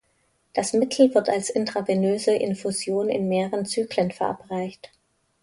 Das Mittel wird als intravenöse Infusion in mehreren Zyklen verabreicht.